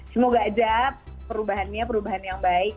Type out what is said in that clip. semoga aja perubahannya perubahan yang baik